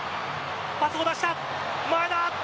パスを出した、前田。